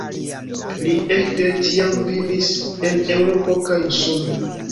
Li ekde tiam vivis en Eŭropo kaj Usono.